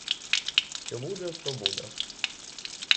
Що буде, то буде!